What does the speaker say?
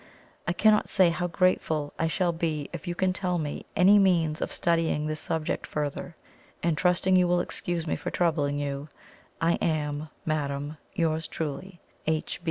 I cannot say how grateful I shall be if you can tell me any means of studying this subject further; and trusting you will excuse me for troubling you, I am, Madam, "Yours truly, "H.